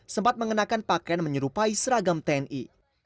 sempat mengenakan pakaian menyerupai seragam tni